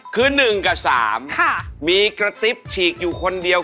คือ๑กับ๓มีกระติ๊บฉีกอยู่คนเดียว